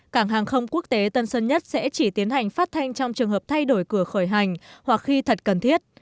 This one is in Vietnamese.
cảng hàng không quốc tế tân sơn nhất sẽ chỉ tiến hành phát thanh trong trường hợp thay đổi cửa khởi hành hoặc khi thật cần thiết